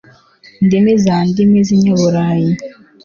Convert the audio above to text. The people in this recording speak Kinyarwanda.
ndimi za ndimi z'inyaburayi